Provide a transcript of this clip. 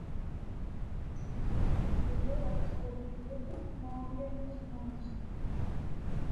Šis raksts ir par apdzīvotu vietu Naujenes pagastā.